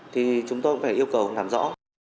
thì chúng tôi phải yêu cầu làm rõ